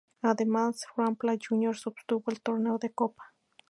Además, Rampla Juniors obtuvo el ""Torneo de Copa"".